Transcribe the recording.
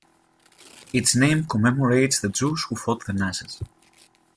Its name commemorates the Jews who fought the Nazis.